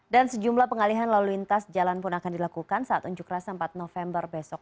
dan sejumlah pengalihan lalu lintas jalan pun akan dilakukan saat unjuk rasa empat november besok